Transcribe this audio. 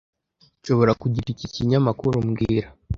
Nshobora kugira iki kinyamakuru mbwira